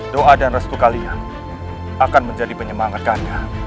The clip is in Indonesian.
doa dan restu kalian akan menjadi penyemangat kalian